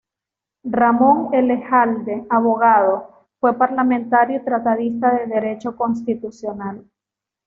Ramón Elejalde, abogado; fue parlamentario y tratadista de derecho constitucional.